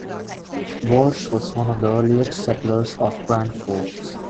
Walsh was one of the earliest settlers of Grand Forks.